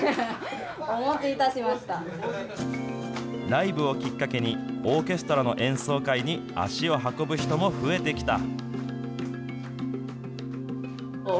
ライブをきっかけに、オーケストラの演奏会に足を運ぶ人も増えてきた。